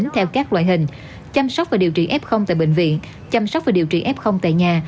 theo các loại hình chăm sóc và điều trị f tại bệnh viện chăm sóc và điều trị f tại nhà